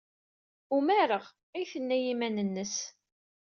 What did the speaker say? Umareɣ, ay tenna i yiman-nnes.